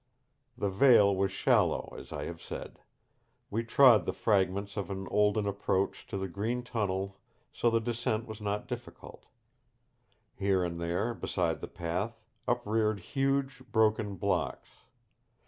The vale was shallow, as I have said. We trod the fragments of an olden approach to the green tunnel so the descent was not difficult. Here and there beside the path upreared huge broken blocks.